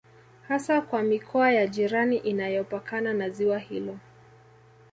Hasa kwa mikoa ya jirani inayopakana na ziwa hilo